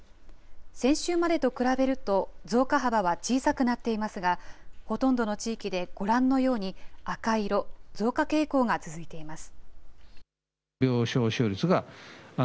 先週までと比べると、増加幅は小さくなっていますが、ほとんどの地域でご覧のように赤色、増加傾向が続いています。